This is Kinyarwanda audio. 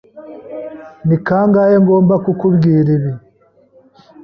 Ni kangahe ngomba kukubwira ibi?